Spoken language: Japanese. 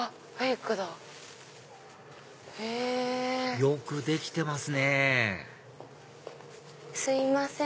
よくできてますねすいません。